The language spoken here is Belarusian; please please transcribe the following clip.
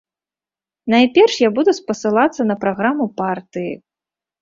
Найперш, я буду спасылацца на праграму партыі.